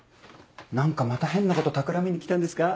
何かまた変なことたくらみに来たんですか？